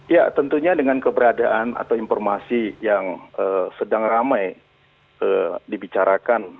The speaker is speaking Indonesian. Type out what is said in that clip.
ya tentunya dengan keberadaan atau informasi yang sedang ramai dibicarakan